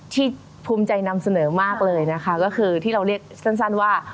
ภูมิใจนำเสนอมากเลยนะคะก็คือที่เราเรียกสั้นว่า